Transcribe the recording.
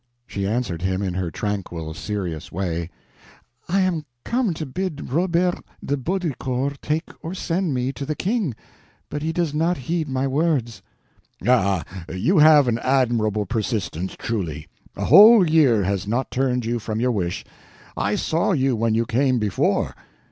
She answered him in her tranquil, serious way: "I am come to bid Robert de Baudricourt take or send me to the King, but he does not heed my words." "Ah, you have an admirable persistence, truly; a whole year has not turned you from your wish. I saw you when you came before."